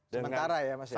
sementara ya mas ya